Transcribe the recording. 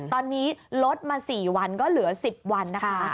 ตอนนี้ลดมา๔วันก็เหลือ๑๐วันนะคะ